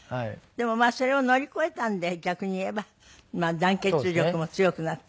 でもまあそれを乗り越えたんで逆に言えば団結力も強くなって。